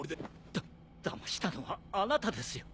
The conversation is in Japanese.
だだましたのはあなたですよ。